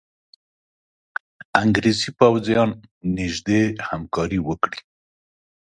انګرېزي پوځیان نیژدې همکاري وکړي.